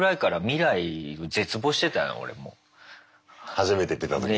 初めて出た時ね。